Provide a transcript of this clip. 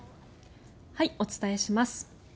お伝えします。